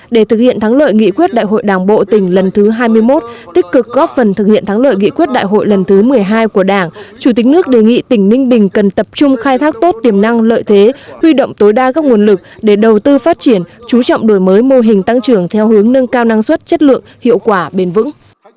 để thực hiện thắng lợi nghị quyết đại hội đảng bộ tỉnh lần thứ hai mươi một tích cực góp phần thực hiện thắng lợi nghị quyết đại hội lần thứ một mươi hai của đảng chủ tịch nước đề nghị tỉnh ninh bình cần tập trung khai thác tốt tiềm năng lợi thế huy động tối đa các nguồn lực để đầu tư phát triển chú trọng đổi mới mô hình tăng trưởng theo hướng nâng cao năng suất chất lượng hiệu quả bền vững